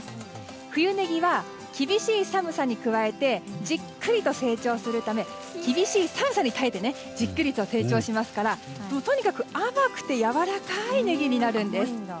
冬ネギは厳しい寒さに加えてじっくりと成長するため厳しい寒さに耐えてじっくりと成長しますからとにかく甘くてやわらかいネギになるんです。